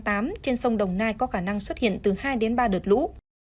trên sông đồng nai có khả năng xuất hiện từ hai đến ba đợt lũ